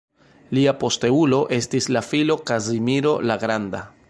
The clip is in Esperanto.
Lia posteulo estis la filo Kazimiro la Granda.